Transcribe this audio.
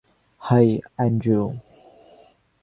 High, Andrew.